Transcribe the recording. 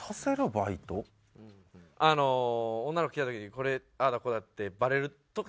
あの女の子来た時にこれああだこうだってバレる時があったんです。